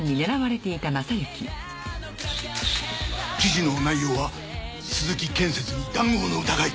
記事の内容は「鈴木建設に談合の疑い」。